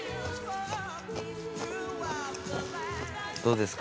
どうですか？